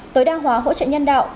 tối đa hóa hỗ trợ nhân đạo